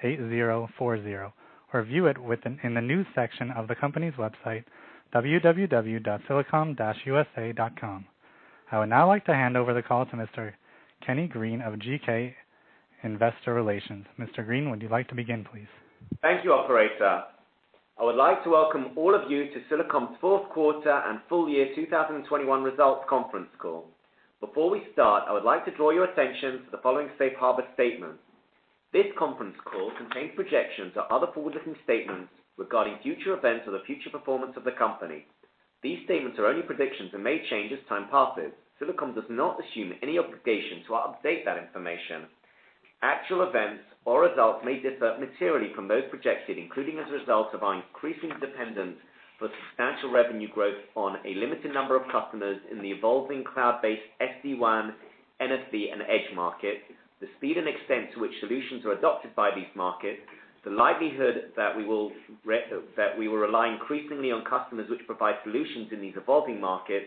I would like to welcome all of you to Silicom's Q4 and full year 2021 results conference call. Before we start, I would like to draw your attention to the following safe harbor statement. This conference call contains projections or other forward-looking statements regarding future events or the future performance of the company. These statements are only predictions and may change as time passes. Silicom does not assume any obligation to update that information. Actual events or results may differ materially from those projected, including as a result of our increasing dependence for substantial revenue growth on a limited number of customers in the evolving cloud-based SD-WAN, NFV, and Edge market. The speed and extent to which solutions are adopted by these markets, the likelihood that we will rely increasingly on customers which provide solutions in these evolving markets,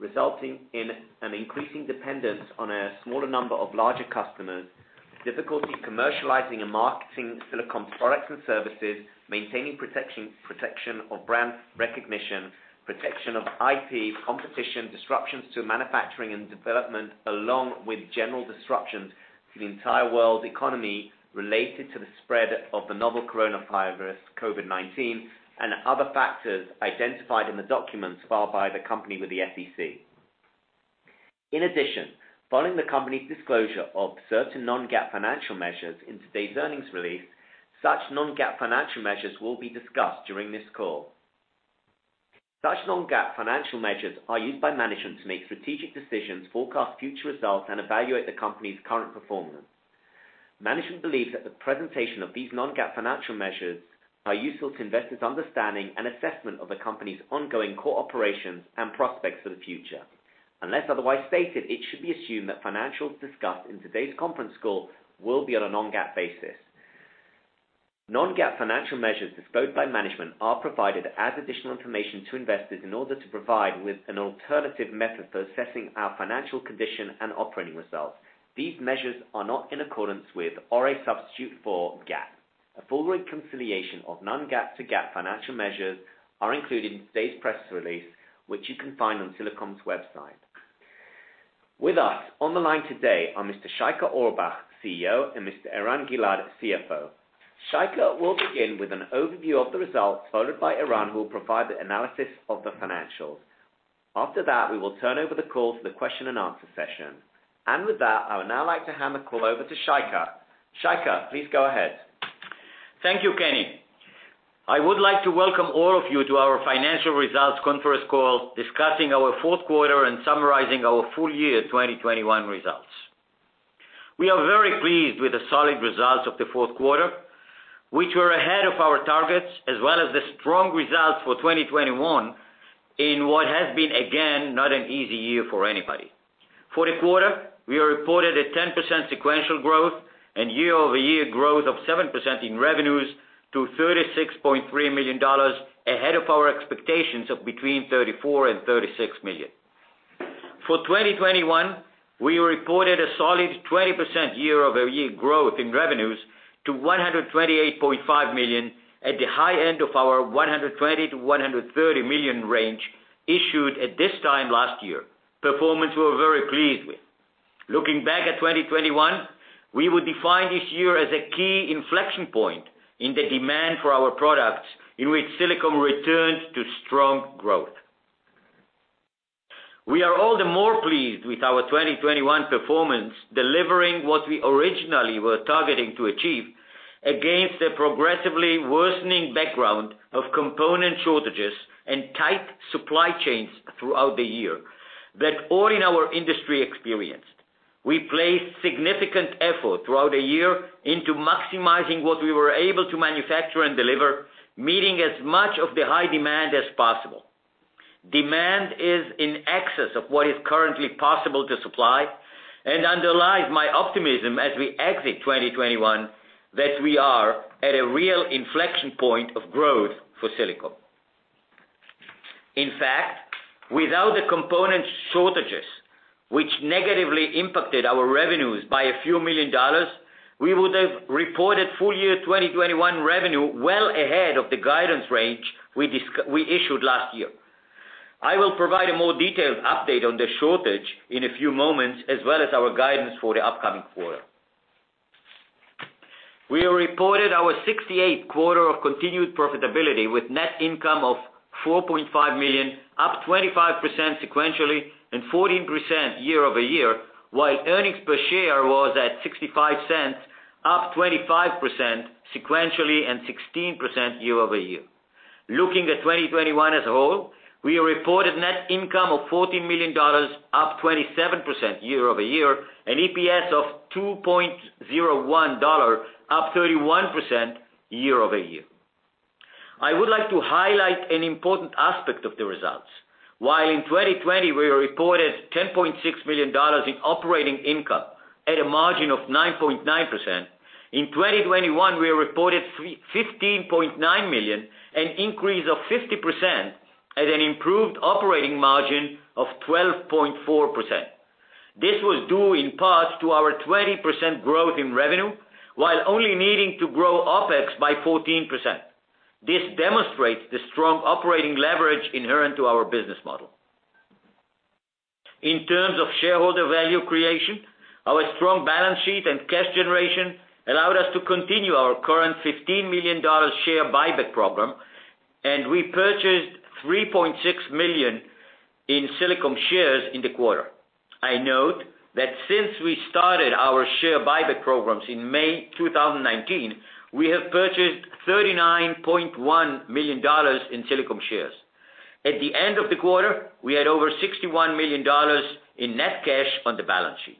resulting in an increasing dependence on a smaller number of larger customers, difficulty commercializing and marketing Silicom's products and services, maintaining protection of brand recognition, protection of IP, competition, disruptions to manufacturing and development, along with general disruptions to the entire world economy related to the spread of the novel coronavirus, COVID-19, and other factors identified in the documents filed by the company with the SEC. In addition, following the company's disclosure of certain non-GAAP financial measures in today's earnings release, such non-GAAP financial measures will be discussed during this call. Such non-GAAP financial measures are used by management to make strategic decisions, forecast future results, and evaluate the company's current performance. Management believes that the presentation of these non-GAAP financial measures is useful to investors' understanding and assessment of the company's ongoing core operations and prospects for the future. Unless otherwise stated, it should be assumed that financials discussed in today's conference call will be on a non-GAAP basis. Non-GAAP financial measures disclosed by management are provided as additional information to investors in order to provide investors with an alternative method for assessing our financial condition and operating results. These measures are not in accordance with or a substitute for GAAP. A full reconciliation of non-GAAP to GAAP financial measures is included in today's press release, which you can find on Silicom's website. With us on the line today are Mr. Shaike Orbach, CEO, and Mr. Eran Gilad, CFO. Shaike will begin with an overview of the results, followed by Eran, who will provide the analysis of the financials. After that, we will turn over the call to the question and answer session. With that, I would now like to hand the call over to Shaike. Shaike, please go ahead. Thank you, Kenny. I would like to welcome all of you to our financial results conference call discussing our Q4 and summarizing our full year 2021 results. We are very pleased with the solid results of the Q4, which were ahead of our targets, as well as the strong results for 2021 in what has been again not an easy year for anybody. For the quarter, we reported 10% sequential growth and year-over-year growth of 7% in revenues to $36.3 million ahead of our expectations of between $34 million and $36 million. For 2021, we reported a solid 20% year-over-year growth in revenues to $128.5 million at the high end of our $120 million-$130 million range issued at this time last year. The performance we were very pleased with. Looking back at 2021, we would define this year as a key inflection point in the demand for our products in which Silicom returns to strong growth. We are all the more pleased with our 2021 performance, delivering what we originally were targeting to achieve against a progressively worsening background of component shortages and tight supply chains throughout the year that all in our industry experienced. We placed significant effort throughout the year into maximizing what we were able to manufacture and deliver, meeting as much of the high demand as possible. Demand is in excess of what is currently possible to supply and underlies my optimism as we exit 2021 that we are at a real inflection point of growth for Silicom. In fact, without the component shortages which negatively impacted our revenues by $a few million, we would have reported full year 2021 revenue well ahead of the guidance range we issued last year. I will provide a more detailed update on the shortage in a few moments as well as our guidance for the upcoming quarter. We reported our 68th quarter of continued profitability with net income of $4.5 million, up 25% sequentially and 14% year-over-year, while earnings per share was at $0.65, up 25% sequentially and 16% year-over-year. Looking at 2021 as a whole, we reported net income of $40 million, up 27% year-over-year, and EPS of $2.01, up 31% year-over-year. I would like to highlight an important aspect of the results. While in 2020, we reported $10.6 million in operating income at a margin of 9.9%, in 2021, we reported 15.9 million, an increase of 50% at an improved operating margin of 12.4%. This was due in part to our 20% growth in revenue, while only needing to grow OpEx by 14%. This demonstrates the strong operating leverage inherent to our business model. In terms of shareholder value creation, our strong balance sheet and cash generation allowed us to continue our current $15 million share buyback program, and we purchased $3.6 million in Silicom shares in the quarter. I note that since we started our share buyback programs in May 2019, we have purchased $39.1 million in Silicom shares. At the end of the quarter, we had over $61 million in net cash on the balance sheet.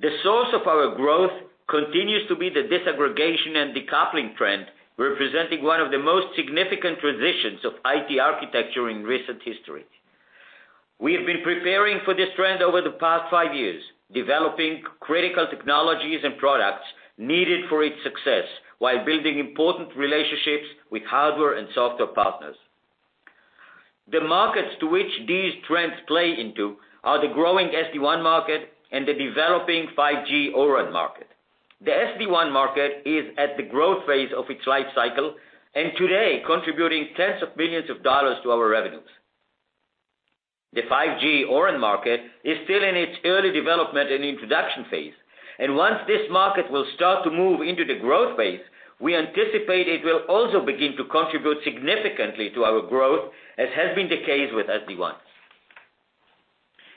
The source of our growth continues to be the disaggregation and decoupling trend, representing one of the most significant transitions of IT architecture in recent history. We have been preparing for this trend over the past five years, developing critical technologies and products needed for its success, while building important relationships with hardware and software partners. The markets to which these trends play into are the growing SD-WAN market and the developing 5G O-RAN market. The SD-WAN market is at the growth phase of its life cycle, and today contributing tens of billions of dollars to our revenues. The 5G O-RAN market is still in its early development and introduction phase, and once this market will start to move into the growth phase, we anticipate it will also begin to contribute significantly to our growth, as has been the case with SD-WAN.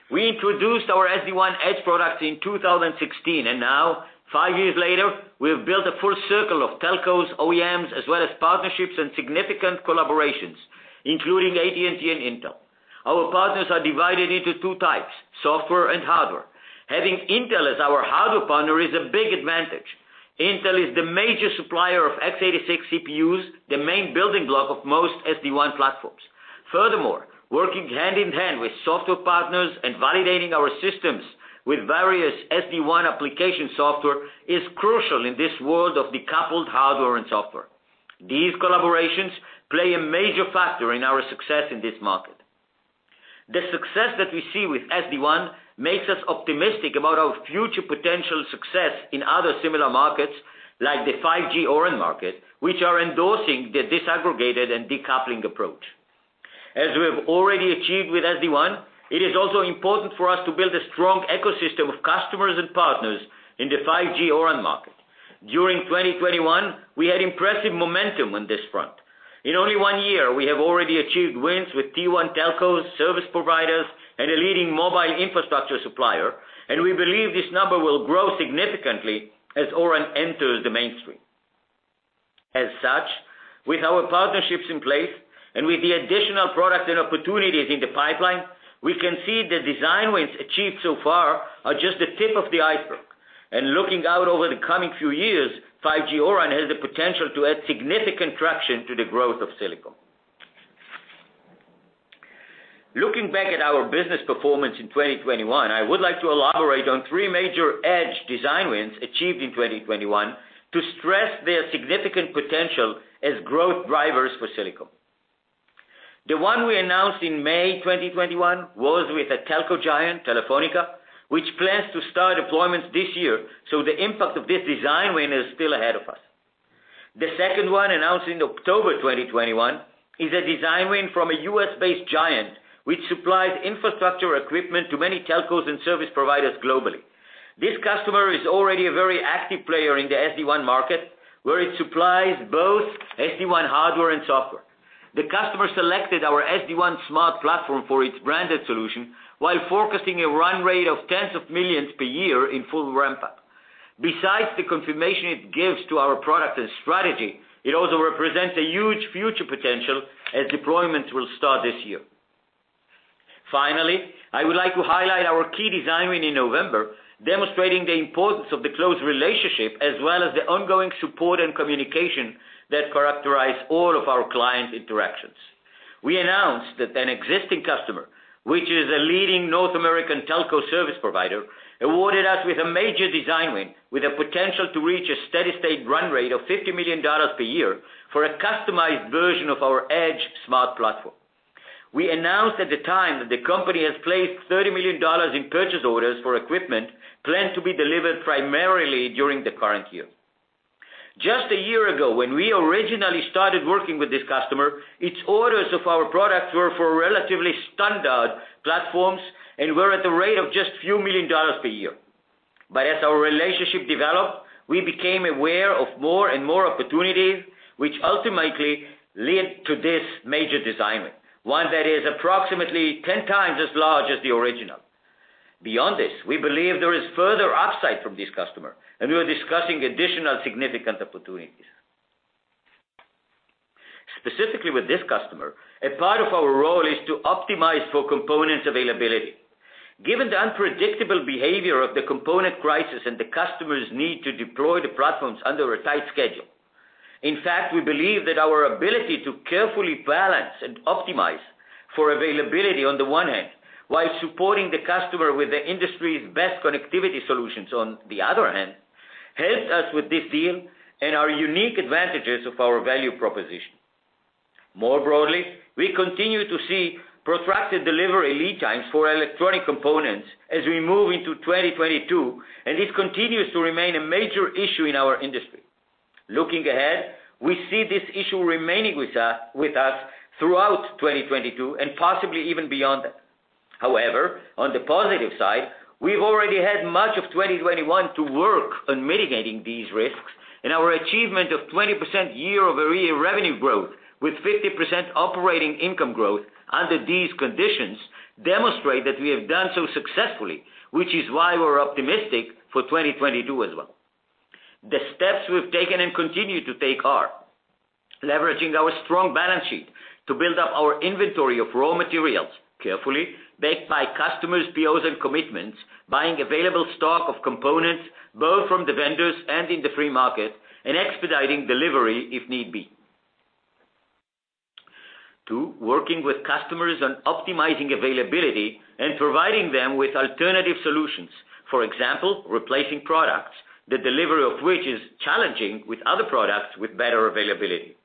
We introduced our SD-WAN Edge product in 2016, and now, five years later, we have built a full circle of telcos, OEMs, as well as partnerships and significant collaborations, including AT&T and Intel. Our partners are divided into two types, software and hardware. Having Intel as our hardware partner is a big advantage. Intel is the major supplier of X86 CPUs, the main building block of most SD-WAN platforms. Furthermore, working hand in hand with software partners and validating our systems with various SD-WAN application software is crucial in this world of decoupled hardware and software. These collaborations play a major factor in our success in this market. The success that we see with SD-WAN makes us optimistic about our future potential success in other similar markets, like the 5G O-RAN market, which are endorsing the disaggregated and decoupling approach. As we have already achieved with SD-WAN, it is also important for us to build a strong ecosystem of customers and partners in the 5G O-RAN market. During 2021, we had impressive momentum on this front. In only one year, we have already achieved wins with Tier One telcos, service providers, and a leading mobile infrastructure supplier, and we believe this number will grow significantly as O-RAN enters the mainstream. As such, with our partnerships in place and with the additional products and opportunities in the pipeline, we can see the design wins achieved so far are just the tip of the iceberg. Looking out over the coming few years, 5G O-RAN has the potential to add significant traction to the growth of Silicom. Looking back at our business performance in 2021, I would like to elaborate on three major Edge design wins achieved in 2021 to stress their significant potential as growth drivers for Silicom. The one we announced in May 2021 was with a telco giant, Telefónica, which plans to start deployments this year, so the impact of this design win is still ahead of us. The second one, announced in October 2021, is a design win from a U.S.-based giant which supplies infrastructure equipment to many telcos and service providers globally. This customer is already a very active player in the SD-WAN market, where it supplies both SD-WAN hardware and software. The customer selected our SD-WAN Smart Platform for its branded solution while forecasting a run rate of tens of millions per year in full ramp-up. Besides the confirmation it gives to our product and strategy, it also represents a huge future potential as deployments will start this year. Finally, I would like to highlight our key design win in November, demonstrating the importance of the close relationship as well as the ongoing support and communication that characterize all of our client interactions. We announced that an existing customer, which is a leading North American telco service provider, awarded us with a major design win with the potential to reach a steady state run rate of $50 million per year for a customized version of our Edge Smart Platform. We announced at the time that the company has placed $30 million in purchase orders for equipment planned to be delivered primarily during the current year. Just a year ago, when we originally started working with this customer, its orders of our products were for relatively standard platforms and were at the rate of just a few million dollars per year. As our relationship developed, we became aware of more and more opportunities, which ultimately led to this major design win, one that is approximately 10 times as large as the original. Beyond this, we believe there is further upside from this customer, and we are discussing additional significant opportunities. Specifically with this customer, a part of our role is to optimize for components availability given the unpredictable behavior of the component crisis and the customer's need to deploy the platforms under a tight schedule. In fact, we believe that our ability to carefully balance and optimize for availability on the one hand, while supporting the customer with the industry's best connectivity solutions on the other hand, helps us with this deal and our unique advantages of our value proposition. More broadly, we continue to see protracted delivery lead times for electronic components as we move into 2022, and this continues to remain a major issue in our industry. Looking ahead, we see this issue remaining with us throughout 2022 and possibly even beyond that. However, on the positive side, we've already had much of 2021 to work on mitigating these risks, and our achievement of 20% year-over-year revenue growth with 50% operating income growth under these conditions demonstrate that we have done so successfully, which is why we're optimistic for 2022 as well. The steps we've taken and continue to take are leveraging our strong balance sheet to build up our inventory of raw materials carefully backed by customers' POs and commitments, buying available stock of components both from the vendors and in the free market, and expediting delivery if need be. Two, working with customers on optimizing availability and providing them with alternative solutions. For example, replacing products, the delivery of which is challenging with other products with better availability.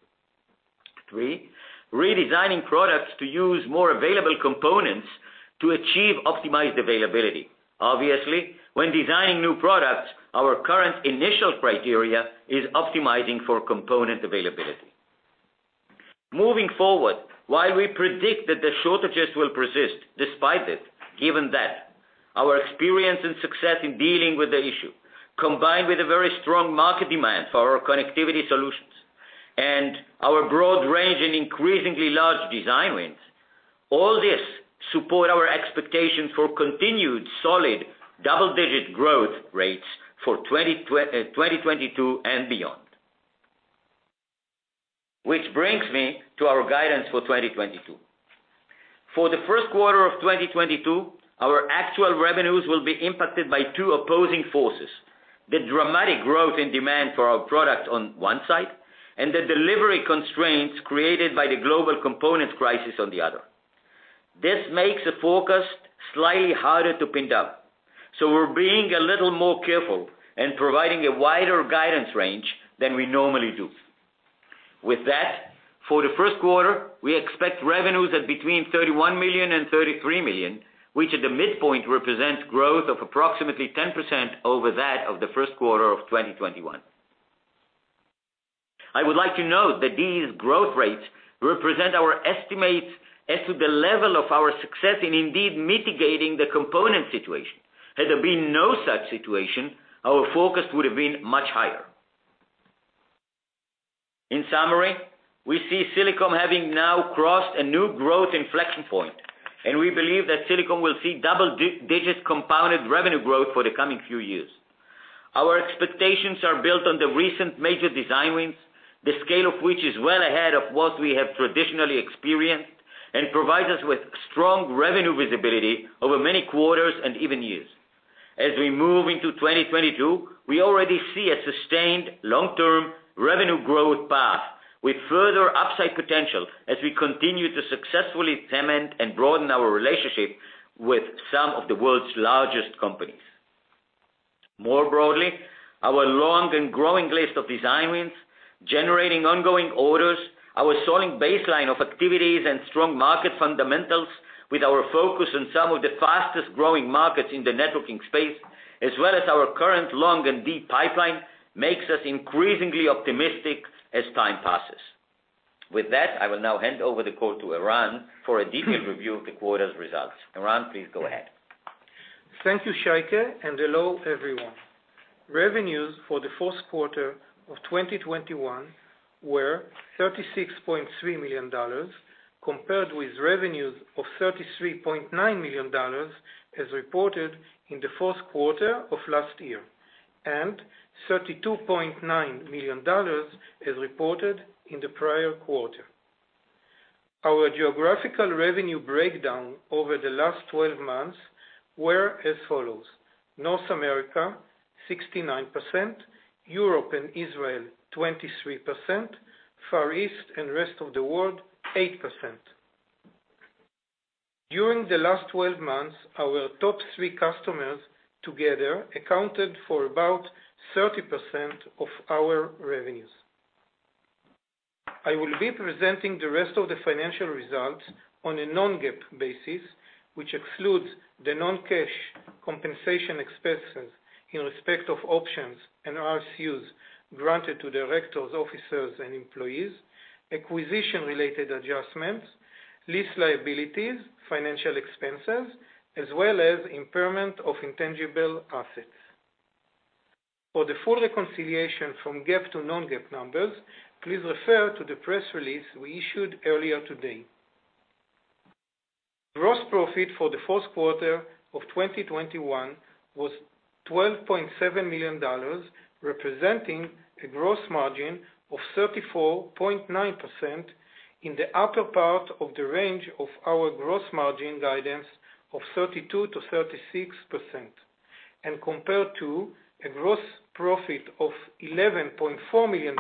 Three, redesigning products to use more available components to achieve optimized availability. Obviously, when designing new products, our current initial criteria is optimizing for component availability. Moving forward, while we predict that the shortages will persist despite it, given that our experience and success in dealing with the issue, combined with a very strong market demand for our connectivity solutions and our broad range and increasingly large design wins, all this support our expectation for continued solid double-digit growth rates for 2022 and beyond. Which brings me to our guidance for 2022. For the Q1 of 2022, our actual revenues will be impacted by two opposing forces, the dramatic growth in demand for our products on one side and the delivery constraints created by the global components crisis on the other. This makes the forecast slightly harder to pin down, so we're being a little more careful and providing a wider guidance range than we normally do. With that, for the Q1, we expect revenues at between $31 million and $33 million, which at the midpoint represents growth of approximately 10% over that of the Q1 of 2021. I would like to note that these growth rates represent our estimates as to the level of our success in indeed mitigating the component situation. Had there been no such situation, our forecast would have been much higher. In summary, we see Silicom having now crossed a new growth inflection point, and we believe that Silicom will see double digits compounded revenue growth for the coming few years. Our expectations are built on the recent major design wins, the scale of which is well ahead of what we have traditionally experienced and provides us with strong revenue visibility over many quarters and even years. As we move into 2022, we already see a sustained long-term revenue growth path with further upside potential as we continue to successfully cement and broaden our relationship with some of the world's largest companies. More broadly, our long and growing list of design wins, generating ongoing orders, our soaring baseline of activities, and strong market fundamentals with our focus on some of the fastest-growing markets in the networking space, as well as our current long and deep pipeline, makes us increasingly optimistic as time passes. With that, I will now hand over the call to Eran for a detailed review of the quarter's results. Eran, please go ahead. Thank you, Shaike, and hello, everyone. Revenues for the Q4 of 2021 were $36.3 million compared with revenues of $33.9 million as reported in the Q4 of last year, and $32.9 million as reported in the prior quarter. Our geographical revenue breakdown over the last twelve months were as follows: North America, 69%, Europe and Israel, 23%, Far East and rest of the world, 8%. During the last twelve months, our top three customers together accounted for about 30% of our revenues. I will be presenting the rest of the financial results on a non-GAAP basis, which excludes the non-cash compensation expenses in respect of options and RSUs granted to directors, officers and employees, acquisition-related adjustments, lease liabilities, financial expenses, as well as impairment of intangible assets. For the full reconciliation from GAAP to non-GAAP numbers, please refer to the press release we issued earlier today. Gross profit for the Q1 of 2021 was $12.7 million, representing a gross margin of 34.9% in the upper part of the range of our gross margin guidance of 32%-36%, and compared to a gross profit of $11.4 million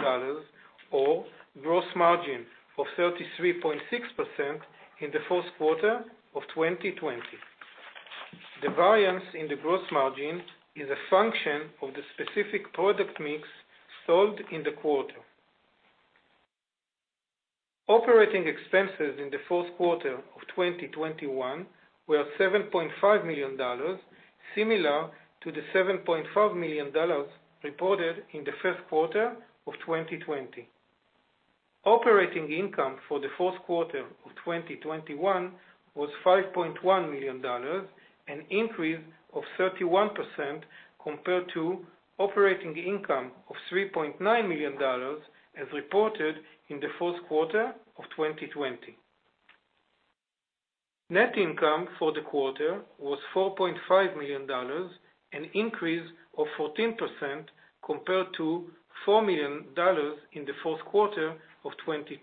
or gross margin of 33.6% in the Q1 of 2020. The variance in the gross margin is a function of the specific product mix sold in the quarter. Operating expenses in the Q4 of 2021 were $7.5 million, similar to the $7.5 million reported in the Q1 of 2020. Operating income for the Q4 of 2021 was $5.1 million, an increase of 31% compared to operating income of $3.9 million as reported in the Q4 of 2020. Net income for the quarter was $4.5 million, an increase of 14% compared to $4 million in the Q4 of 2020.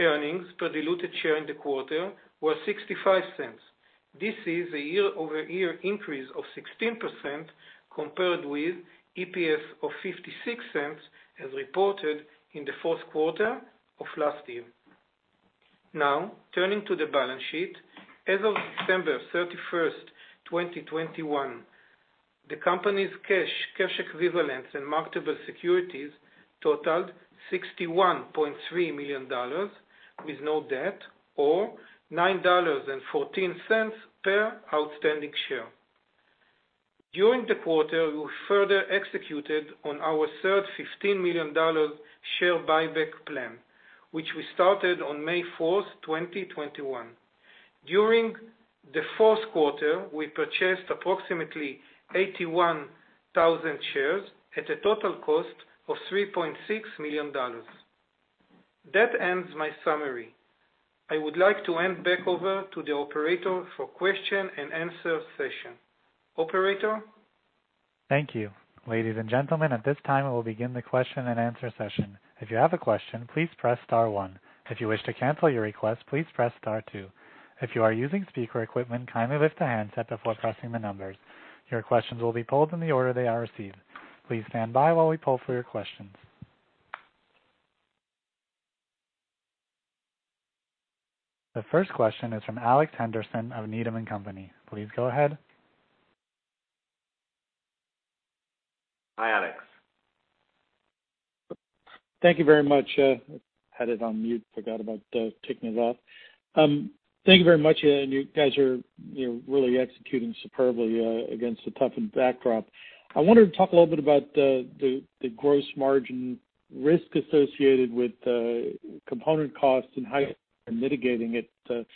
Earnings per diluted share in the quarter were $0.65. This is a year-over-year increase of 16% compared with EPS of $0.56 as reported in the Q4 of last year. Now, turning to the balance sheet. As of September 31, 2021, the company's cash equivalents and marketable securities totaled $61.3 million with no debt or $9.14 per outstanding share. During the quarter, we further executed on our third $15 million share buyback plan, which we started on May 4, 2021. During the Q4, we purchased approximately 81,000 shares at a total cost of $3.6 million. That ends my summary. I would like to hand back over to the operator for question and answer session. Operator? Hi, Alex Henderson. Thank you very much. Had it on mute, forgot about taking it off. Thank you very much. You are executing strongly against a toughened backdrop. I wanted to talk a little bit about the gross margin risk associated with component costs and how you're mitigating it,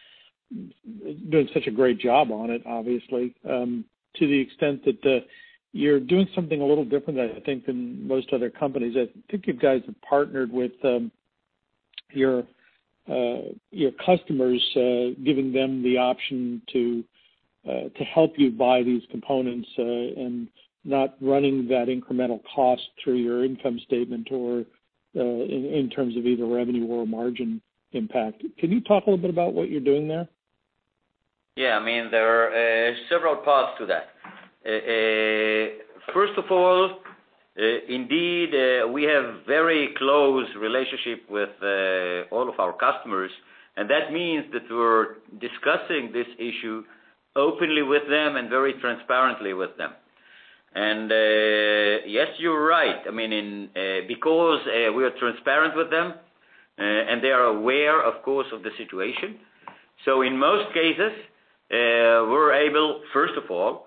doing such a great job on it, obviously, to the extent that you're doing something a little different, I think, than most other companies. I think you guys have partnered with your customers, giving them the option to help you buy these components, and not running that incremental cost through your income statement or in terms of either revenue or margin impact. Can you talk a little bit about what you're doing there? Yeah. There are several parts to that. First of all, indeed, we have very close relationship with all of our customers, and that means that we're discussing this issue openly with them and very transparently with them. Yes, you're right. I mean, because we are transparent with them and they are aware, of course, of the situation. In most cases, we're able, first of all,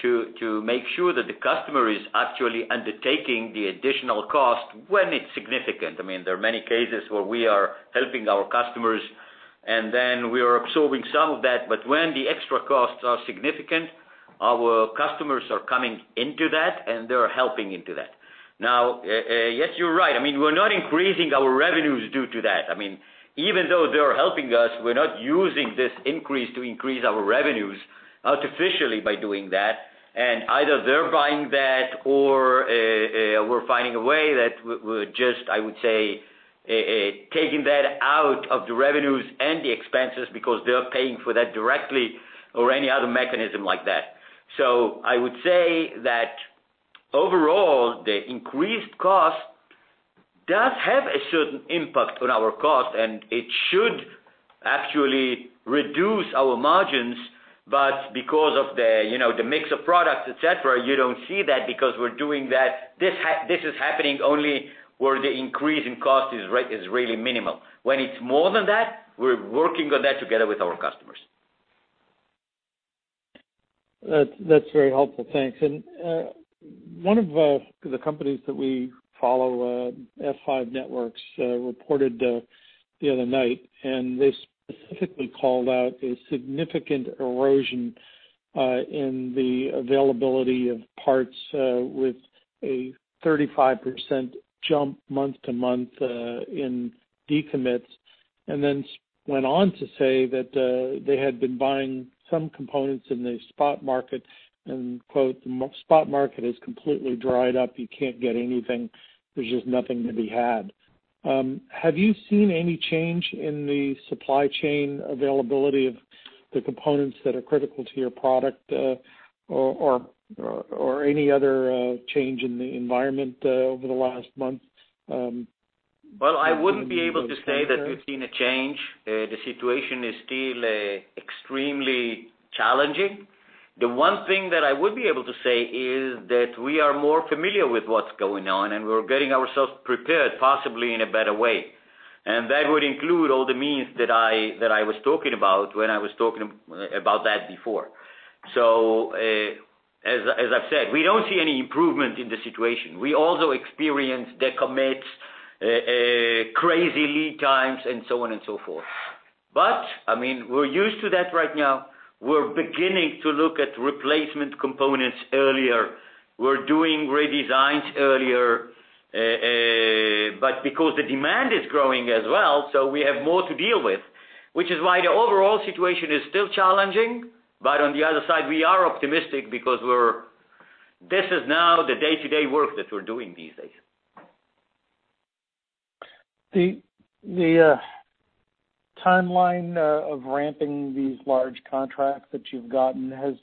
to make sure that the customer is actually undertaking the additional cost when it's significant. There are many cases where we are helping our customers and then we are absorbing some of that. When the extra costs are significant, our customers are coming into that, and they're helping into that. Now, yes, you're right. We're not increasing our revenues due to that. Even though they're helping us, we're not using this increase to increase our revenues artificially by doing that. Either they're buying that or, we're finding a way that we're just, taking that out of the revenues and the expenses because they're paying for that directly or any other mechanism like that. I would say that overall, the increased cost does have a certain impact on our cost, and it should actually reduce our margins, but because of the, you know, the mix of products, et cetera, you don't see that because we're doing that. This is happening only where the increase in cost is really minimal. When it's more than that, we're working on that together with our customers. That's very helpful, thanks. One of the companies that we follow, F5 Networks, reported the other night, and they specifically called out a significant erosion in the availability of parts, with a 35% jump month-to-month in decommits. Then they went on to say that they had been buying some components in the spot market and quote, "The spot market is completely dried up. You can't get anything. There's just nothing to be had." Have you seen any change in the supply chain availability of the components that are critical to your product, or any other change in the environment over the last month? Well, I wouldn't be able to say that we've seen a change. The situation is still extremely challenging. The one thing that I would be able to say is that we are more familiar with what's going on, and we're getting ourselves prepared, possibly in a better way. That would include all the means that I was talking about when I was talking about that before. As I've said, we don't see any improvement in the situation. We also experience decommits, crazy lead times and so on and so forth. We're used to that right now. We're beginning to look at replacement components earlier. We're doing redesigns earlier. Because the demand is growing as well, so we have more to deal with, which is why the overall situation is still challenging. On the other side, we are optimistic because this is now the day-to-day work that we're doing these days. The timeline of ramping these large contracts that you've gotten, has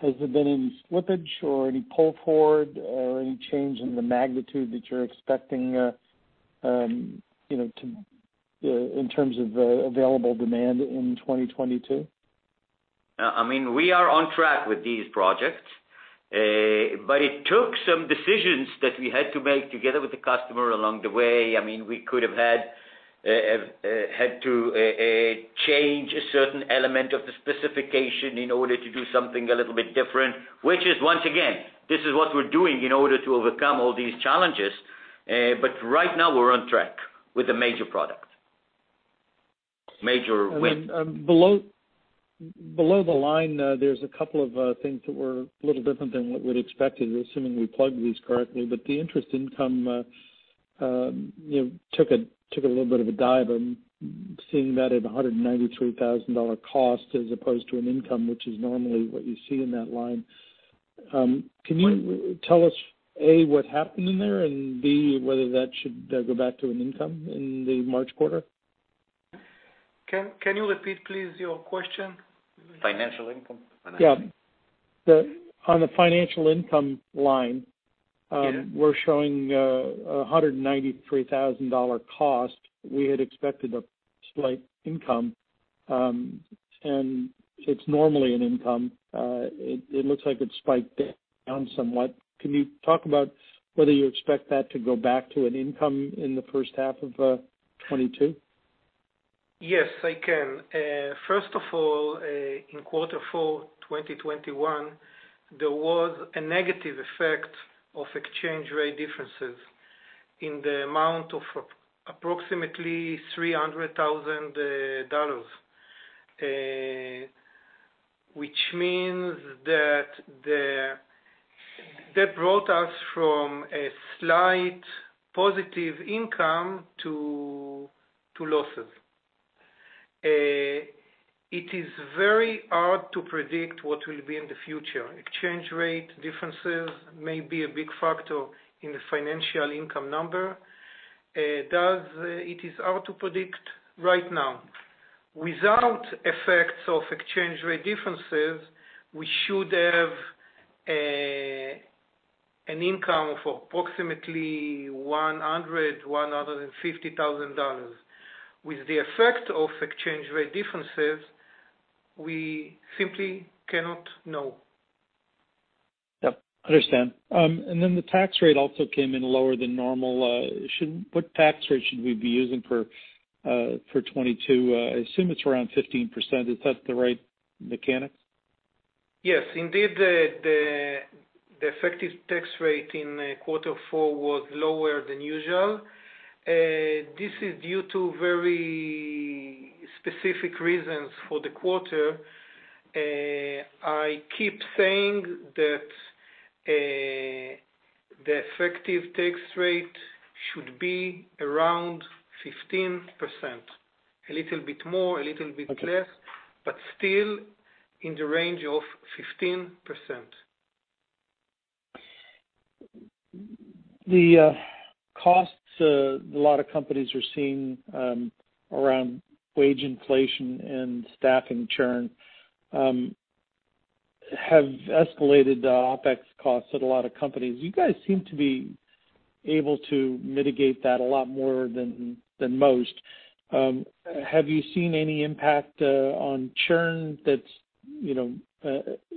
there been any slippage or any pull forward or any change in the magnitude that you're expecting, you know, in terms of available demand in 2022? We are on track with these projects. It took some decisions that we had to make together with the customer along the way. We had to change a certain element of the specification in order to do something a little bit different, which is once again, this is what we're doing in order to overcome all these challenges. Right now we're on track with the major product. Major win. I mean, below the line, there's a couple of things that were a little different than what we'd expected, assuming we plugged these correctly. The interest income, you know, took a little bit of a dive. I'm seeing that at a $193,000 cost as opposed to an income, which is normally what you see in that line. Can you tell us, A, what happened in there, and B, whether that should go back to an income in the March quarter? Can you repeat, please, your question? Financial income. Yeah. On the financial income line. Yeah We're showing a $193,000 cost. We had expected a slight income, and it's normally an income. It looks like it spiked down somewhat. Can you talk about whether you expect that to go back to an income in the first half of 2022? Yes, I can. First of all, in quarter four 2021, there was a negative effect of exchange rate differences in the amount of approximately $300,000. Which means that brought us from a slight positive income to losses. It is very hard to predict what will be in the future. Exchange rate differences may be a big factor in the financial income number. Thus, it is hard to predict right now. Without effects of exchange rate differences, we should have an income of approximately $100,000-$150,000. With the effect of exchange rate differences, we simply cannot know. Yep. Understand. The tax rate also came in lower than normal. What tax rate should we be using for 2022? I assume it's around 15%. Is that the right mechanics? Yes, indeed, the effective tax rate in quarter four was lower than usual. This is due to very specific reasons for the quarter. I keep saying that the effective tax rate should be around 15%, a little bit more, a little bit less. Okay Still in the range of 15%. The costs a lot of companies are seeing around wage inflation and staffing churn have escalated the OpEx costs at a lot of companies. You guys seem to be able to mitigate that a lot more than most. Have you seen any impact on churn that's, you know,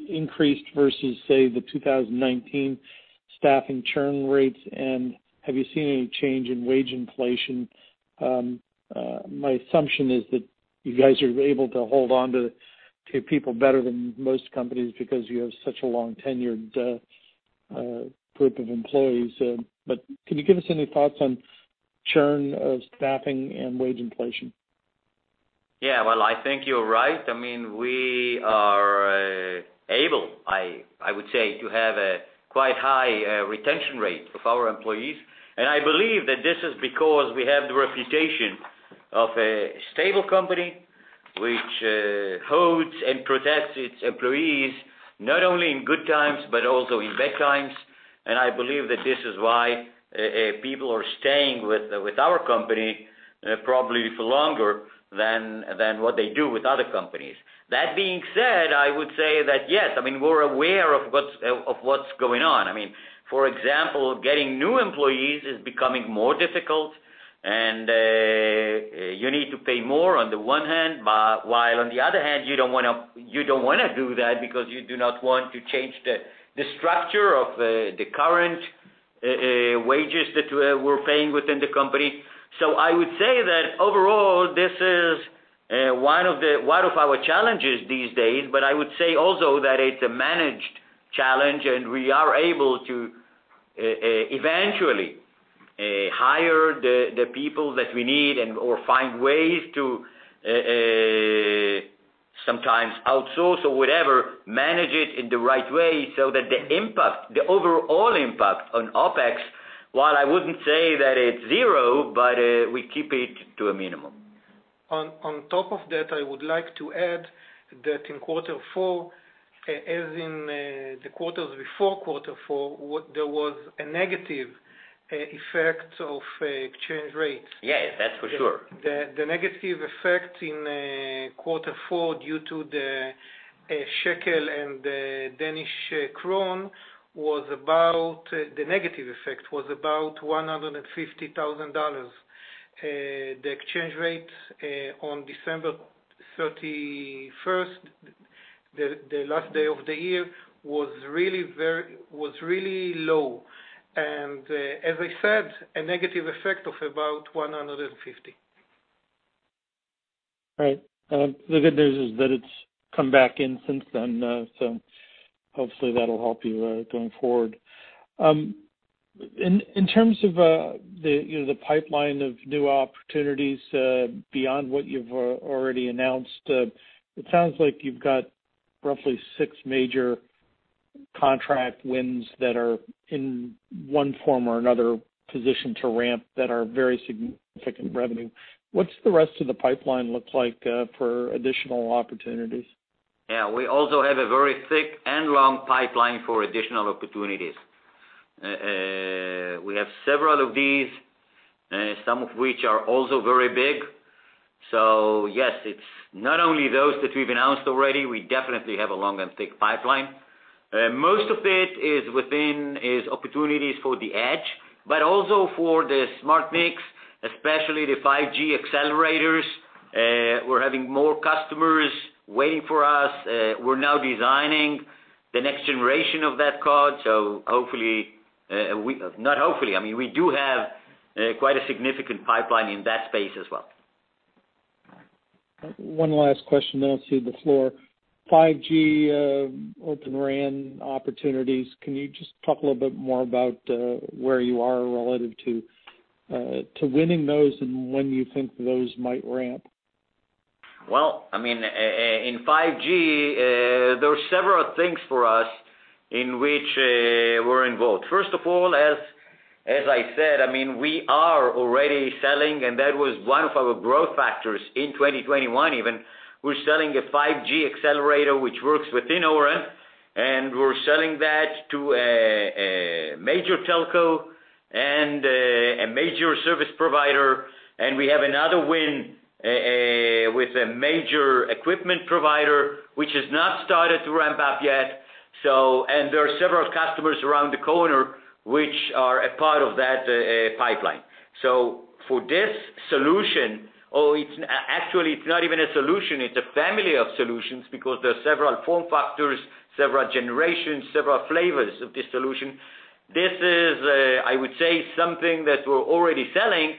increased versus, say, the 2019 staffing churn rates? Have you seen any change in wage inflation? My assumption is that you guys are able to hold on to people better than most companies because you have such a long-tenured group of employees. Can you give us any thoughts on churn of staffing and wage inflation? Yeah. Well, I think you're right. We are able, to have a quite high retention rate of our employees. I believe that this is because we have the reputation of a stable company which holds and protects its employees not only in good times but also in bad times. I believe that this is why people are staying with our company probably for longer than what they do with other companies. That being said, that, yes, I mean, we're aware of what's going on. For example, getting new employees is becoming more difficult and you need to pay more on the one hand, but while on the other hand, you don't want to do that because you do not want to change the structure of the current wages that we're paying within the company. I would say that overall, this is one of our challenges these days, but I would say also that it's a managed challenge and we are able to eventually hire the people that we need and/or find ways to sometimes outsource or whatever, manage it in the right way so that the impact, the overall impact on OpEx, while I wouldn't say that it's zero, but we keep it to a minimum. On top of that, I would like to add that in quarter four, as in the quarters before quarter four, there was a negative effect of exchange rates. Yes, that's for sure. The negative effect in quarter four due to the shekel and the Danish krone was about $150,000. The exchange rate on December 31, the last day of the year, was really low. As I said, a negative effect of about $150,000. Right. The good news is that it's come back in since then, so hopefully that'll help you going forward. In terms of the you know the pipeline of new opportunities beyond what you've already announced, it sounds like you've got roughly six major contract wins that are in one form or another position to ramp that are very significant revenue. What's the rest of the pipeline look like for additional opportunities? Yeah, we also have a very thick and long pipeline for additional opportunities. We have several of these, some of which are also very big. Yes, it's not only those that we've announced already, we definitely have a long and thick pipeline. Most of it is opportunities for the Edge, but also for the Smart NICs, especially the 5G accelerators. We're having more customers waiting for us. We're now designing the next generation of that card. I mean, we do have quite a significant pipeline in that space as well. One last question, then I'll cede the floor. 5G, Open RAN opportunities, can you just talk a little bit more about where you are relative to winning those and when you think those might ramp? Well, I mean, in 5G, there are several things for us in which we're involved. First of all, as I said, I mean, we are already selling, and that was one of our growth factors in 2021 even. We're selling a 5G accelerator, which works within O-RAN, and we're selling that to a major telco and a major service provider. We have another win with a major equipment provider, which has not started to ramp up yet. There are several customers around the corner, which are a part of that pipeline. For this solution, actually, it's not even a solution, it's a family of solutions because there are several form factors, several generations, several flavors of this solution. This is, I would say, something that we're already selling,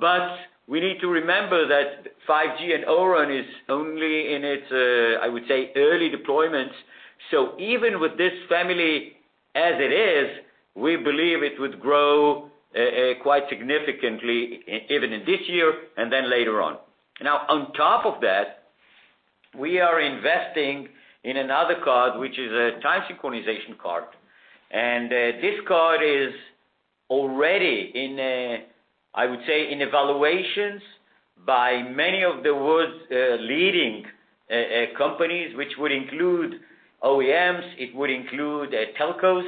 but we need to remember that 5G and ORAN is only in its, I would say, early deployments. Even with this family as it is, we believe it would grow quite significantly even in this year and then later on. Now, on top of that, we are investing in another card, which is a time synchronization card. This card is already in, I would say, evaluations by many of the world's leading companies, which would include OEMs, it would include telcos.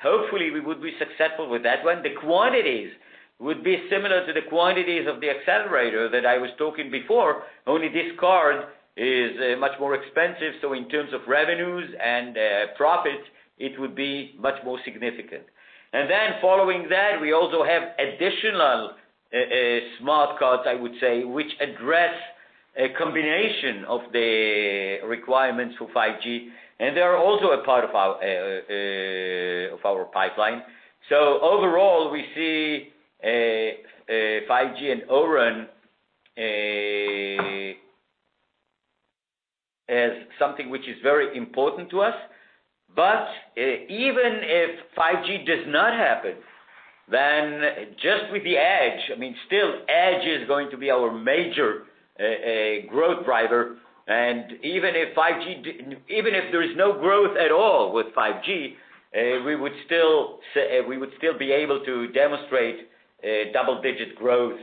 Hopefully we would be successful with that one. The quantities would be similar to the quantities of the accelerator that I was talking before. Only this card is much more expensive, so in terms of revenues and profit, it would be much more significant. Following that, we also have additional smart cards, I would say, which address a combination of the requirements for 5G, and they are also a part of our pipeline. Overall, we see 5G and O-RAN is something which is very important to us. Even if 5G adoption is slower than expected, then just with the Edge, I mean, still Edge is going to be our major growth driver. Even if there is no growth at all with 5G, we would still be able to demonstrate double-digit growth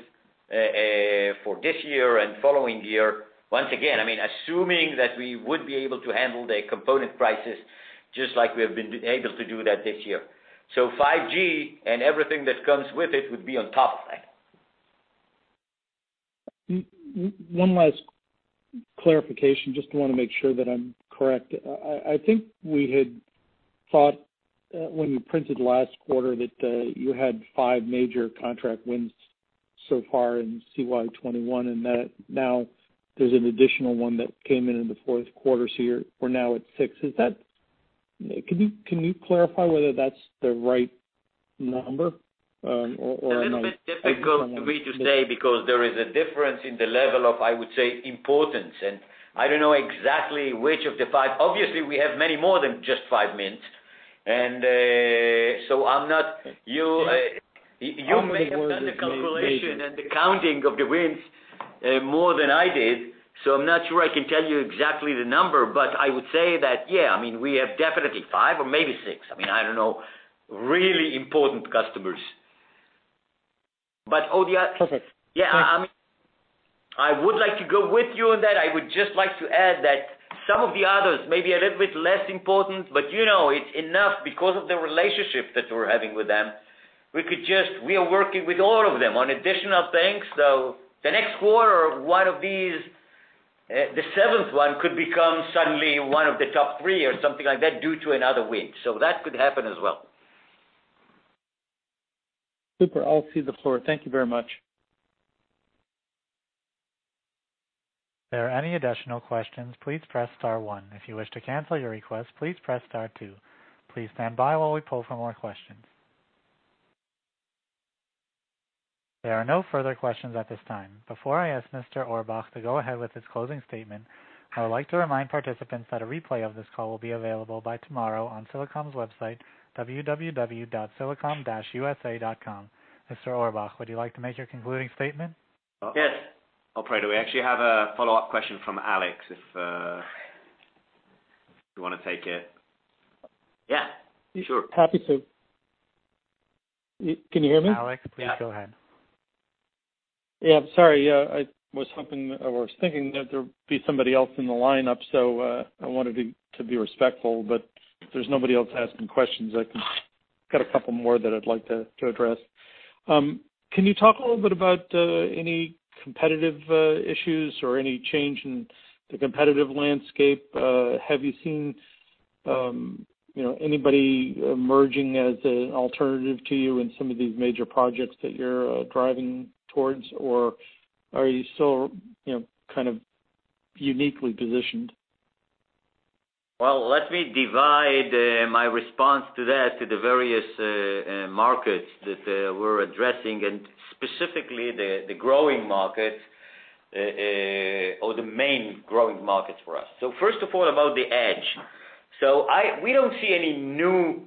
for this year and following year. Once again, I mean, assuming that we would be able to handle the component prices just like we have been able to do that this year. 5G and everything that comes with it would be on top of that. One last clarification, just want to make sure that I'm correct. I think we had thought, when you printed last quarter that, you had 5 major contract wins so far in CY 2021, and that now there's an additional one that came in in the Q4, so we're now at 6. Can you clarify whether that's the right number, or am I A little bit difficult for me to say because there is a difference in the level of, I would say, importance. I don't know exactly which of the 5. Obviously, we have many more than just 5 wins. You may have done the calculation and the counting of the wins more than I did, so I'm not sure I can tell you exactly the number, but I would say that, yeah, I mean, we have definitely 5 or maybe 6, I mean, I don't know, really important customers. All the other- Okay. Yeah. I mean, I would like to go with you on that. I would just like to add that some of the others may be a little bit less important, but, you know, it's enough because of the relationship that we're having with them. We are working with all of them on additional things. The next quarter, one of these, the seventh one could become suddenly one of the top three or something like that due to another win. That could happen as well. Super. I'll cede the floor. Thank you very much. Yes. Operator, we actually have a follow-up question from Alex, if you want to take it. Yeah, sure. Happy to. Yeah, can you hear me? Yeah, I'm sorry. I was hoping or was thinking that there'd be somebody else in the lineup, so I wanted to be respectful. If there's nobody else asking questions, I can. Got a couple more that I'd like to address. Can you talk a little bit about any competitive issues or any change in the competitive landscape? Have you seen, you know, anybody emerging as an alternative to you in some of these major projects that you're driving towards? Are you still, you know, kind of uniquely positioned? Well, let me divide my response to that to the various markets that we're addressing and specifically the growing markets or the main growing markets for us. First of all, about the Edge. We don't see any new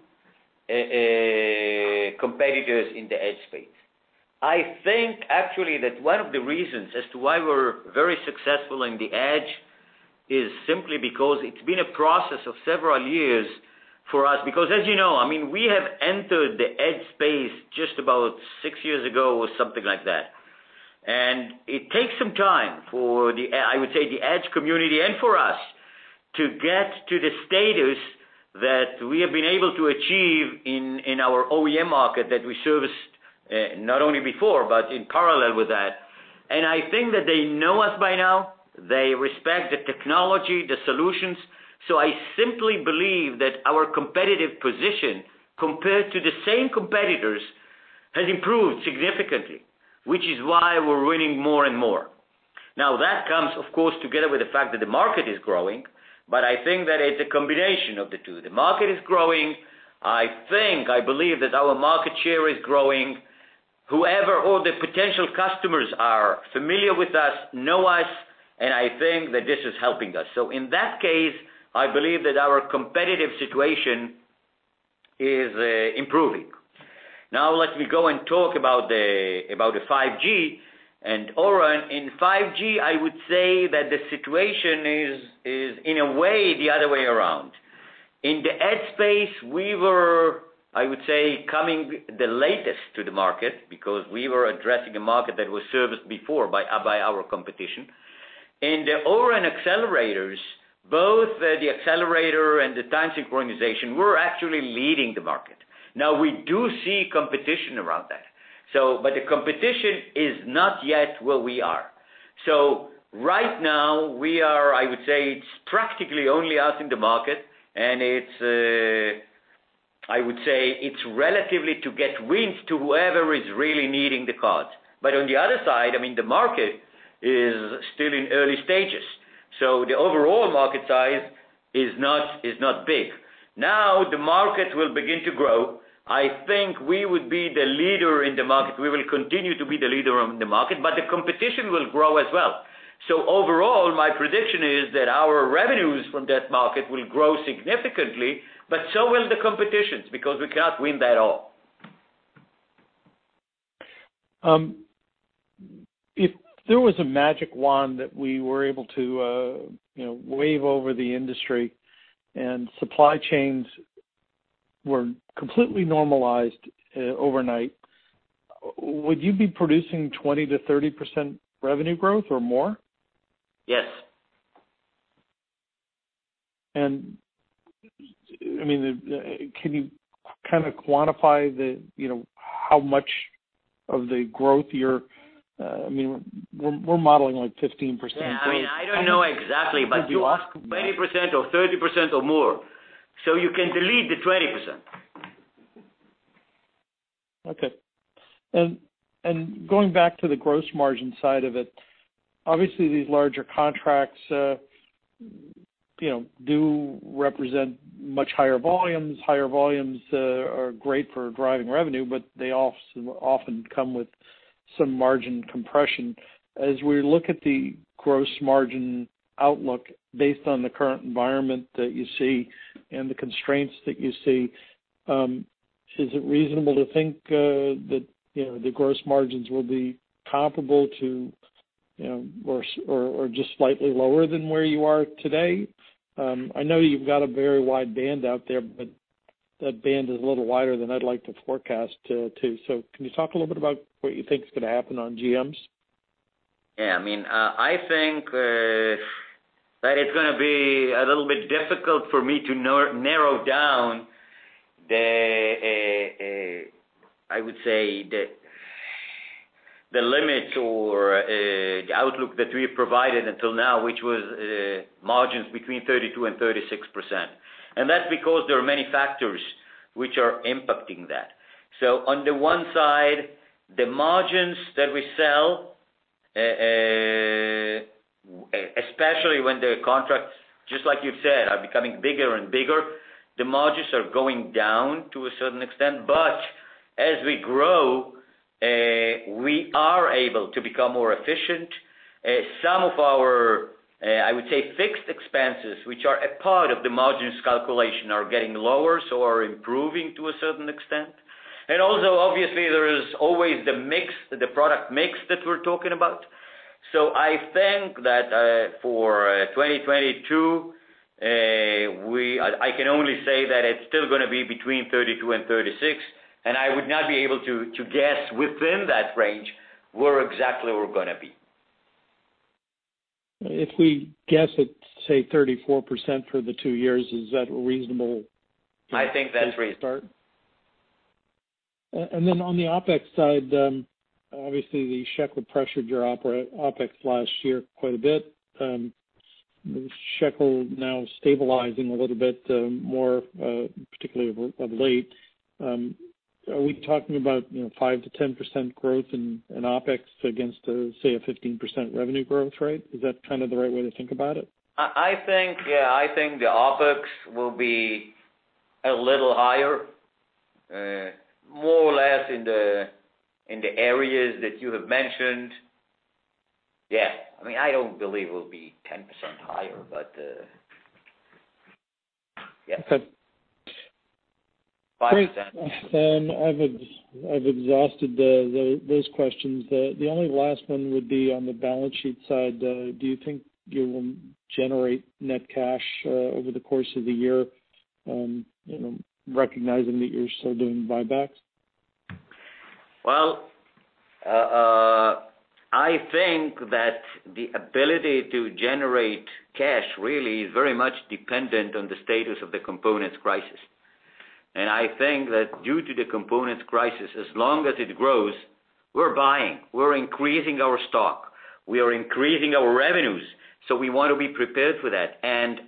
competitors in the Edge space. I think actually that one of the reasons as to why we're very successful in the Edge is simply because it's been a process of several years for us. Because as you know, I mean, we have entered the Edge space just about six years ago or something like that. It takes some time for, I would say, the Edge community and for us to get to the status that we have been able to achieve in our OEM market that we serviced, not only before, but in parallel with that. I think that they know us by now. They respect the technology, the solutions. I simply believe that our competitive position, compared to the same competitors, has improved significantly, which is why we're winning more and more. Now, that comes, of course, together with the fact that the market is growing, but I think that it's a combination of the two. The market is growing. I think, I believe that our market share is growing. Whoever all the potential customers are familiar with us, know us, and I think that this is helping us. In that case, I believe that our competitive situation is improving. Now, let me go and talk about the 5G and O-RAN. In 5G, I would say that the situation is in a way the other way around. In the Edge space, we were, I would say, coming the latest to the market because we were addressing a market that was serviced before by our competition. In the O-RAN accelerators, both the accelerator and the time synchronization, we're actually leading the market. Now, we do see competition around that, but the competition is not yet where we are. Right now we are, I would say, it's practically only us in the market, and it's, I would say it's relatively easy to get wins to whoever is really needing the cards. On the other side, I mean, the market is still in early stages, so the overall market size is not big. Now, market will begin to grow. I think we would be the leader in the market. We will continue to be the leader in the market, but the competition will grow as well. Overall, my prediction is that our revenues from that market will grow significantly, but so will the competitions because we cannot win that all. If there was a magic wand that we were able to, you know, wave over the industry and supply chains were completely normalized overnight, would you be producing 20%-30% revenue growth or more? Yes. I mean, can you kind of quantify the, you know, how much of the growth you're, I mean, we're modeling like 15%? Yeah, I mean, I don't know exactly, but. I think you asked 20% or 30% or more, so you can delete the 20%. Okay. Going back to the gross margin side of it, obviously these larger contracts, you know, do represent much higher volumes. Higher volumes are great for driving revenue, but they also often come with some margin compression. As we look at the gross margin outlook based on the current environment that you see and the constraints that you see, is it reasonable to think, that, you know, the gross margins will be comparable to, you know, or just slightly lower than where you are today? I know you've got a very wide band out there, but that band is a little wider than I'd like to forecast to. Can you talk a little bit about what you think is gonna happen on GMs? Yeah. I mean, I think that it's gonna be a little bit difficult for me to narrow down, I would say, the limits or the outlook that we've provided until now, which was margins between 32%-36%. That's because there are many factors which are impacting that. On the one side, the margins that we sell, especially when the contracts, just like you've said, are becoming bigger and bigger, the margins are going down to a certain extent. As we grow, we are able to become more efficient. Some of our fixed expenses, which are a part of the margins calculation, are getting lower, so are improving to a certain extent. Also, obviously, there is always the mix, the product mix that we're talking about. I think that for 2022 I can only say that it's still gonna be between 32 and 36, and I would not be able to guess within that range where exactly we're gonna be. If we guess at, say, 34% for the two years, is that a reasonable? I think that's reasonable. A place to start? Then on the OpEx side, obviously the shekel pressured your OpEx last year quite a bit. The shekel now stabilizing a little bit more, particularly of late. Are we talking about, you know, 5%-10% growth in OpEx against, say, a 15% revenue growth rate? Is that kind of the right way to think about it? I think, yeah, I think the OpEx will be a little higher, more or less in the areas that you have mentioned. Yeah. I mean, I don't believe it'll be 10% higher, but, yeah. Okay. 5%. Great. I've exhausted those questions. The only last one would be on the balance sheet side. Do you think you will generate net cash over the course of the year, you know, recognizing that you're still doing buybacks? Well, I think that the ability to generate cash really is very much dependent on the status of the components crisis. I think that due to the components crisis, as long as it grows, we're buying, we're increasing our stock, we are increasing our revenues, so we want to be prepared for that.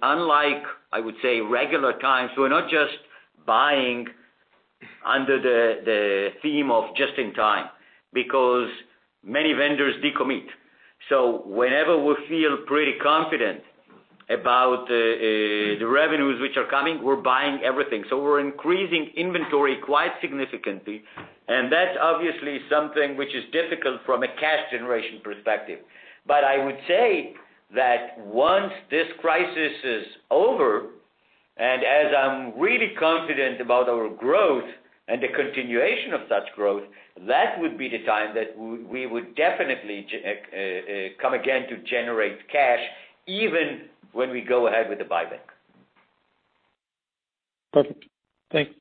Unlike, I would say, regular times, we're not just buying under the theme of just in time because many vendors decommit. Whenever we feel pretty confident about the revenues which are coming, we're buying everything. We're increasing inventory quite significantly, and that's obviously something which is difficult from a cash generation perspective. I would say that once this crisis is over, and as I'm really confident about our growth and the continuation of such growth, that would be the time that we would definitely come again to generate cash even when we go ahead with the buyback. Perfect. Thank you.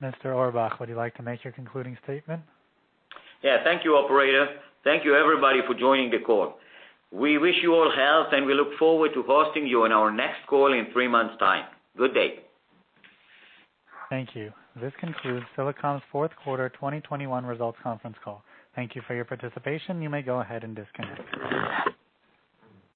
Thank you everybody for joining the call. We wish you all health, and we look forward to hosting you on our next call in three months' time. Good day.